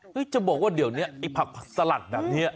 จะบอกว่าเดี๋ยวนี้ไอ้ผักสลัดแบบนี้